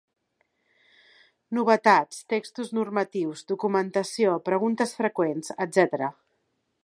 Novetats, textos normatius, documentació, preguntes freqüents, etcètera.